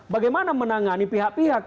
bagaimana menangani pihak pihak